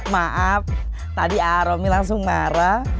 maaf tadi aromi langsung marah